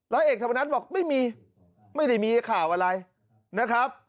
แล้วเอกสัมพนัทบอกไม่มีไม่ได้มีข่าวอะไรนะครับ